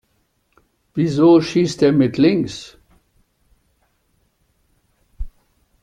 Wieso schießt der mit links?